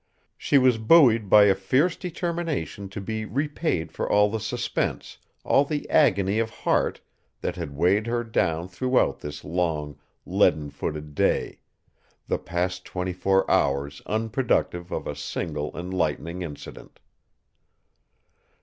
She was buoyed by a fierce determination to be repaid for all the suspense, all the agony of heart, that had weighed her down throughout this long, leaden footed day the past twenty four hours unproductive of a single enlightening incident.